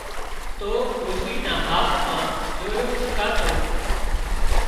تو ڏوشي نا هاٿ مان ۮوئيڙُ ڇڪاتو